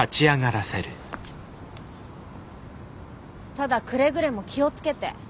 ただくれぐれも気を付けて。